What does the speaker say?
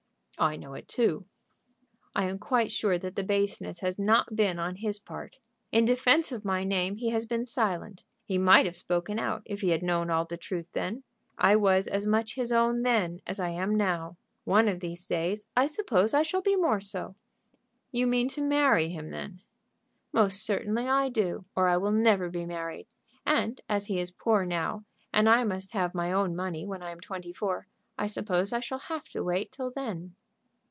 "I know it too." "I am quite sure that the baseness has not been on his part. In defence of my name he has been silent. He might have spoken out, if he had known all the truth then. I was as much his own then as I am now. One of these days I suppose I shall be more so." "You mean to marry him, then?" "Most certainly I do, or I will never be married; and as he is poor now, and I must have my own money when I am twenty four, I suppose I shall have to wait till then."